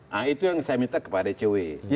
nah itu yang saya minta kepada icw